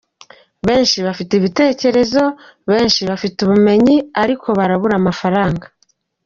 Benshi bafite ibitekerezo, benshi bafite ubumenyi ariko barabura amafaranga.